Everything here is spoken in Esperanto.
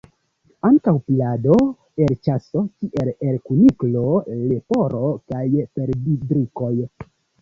Ankaŭ plado el ĉaso, kiel el kuniklo, leporo kaj perdrikoj.